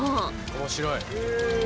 面白い。